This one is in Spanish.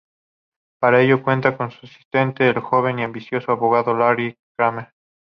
Para ello cuenta con su asistente, el joven y ambicioso abogado Larry Kramer.